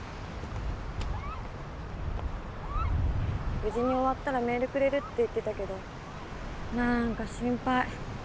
無事に終わったらメールくれるって言ってたけど何か心配。